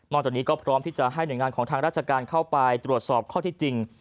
จากนี้ก็พร้อมที่จะให้หน่วยงานของทางราชการเข้าไปตรวจสอบข้อที่จริง